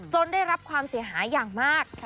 ได้รับความเสียหายอย่างมาก